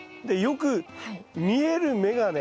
でよく見える眼鏡。